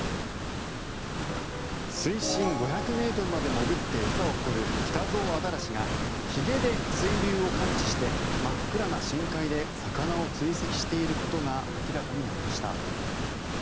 水深５００ｍまで潜って餌を取るキタゾウアザラシがひげで水流を感知して真っ暗な深海で魚を追跡していることが明らかになりました。